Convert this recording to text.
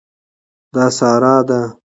دا صحرا ده